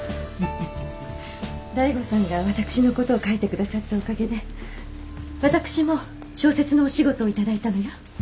醍醐さんが私の事を書いて下さったおかげで私も小説のお仕事を頂いたのよ。